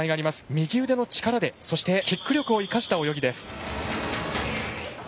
右腕の力でキック力を生かした泳ぎです。